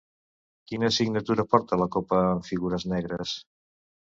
Quina signatura porta la copa amb figures negres?